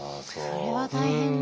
それは大変だ。